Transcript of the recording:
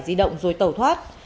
di động rồi tẩu thoát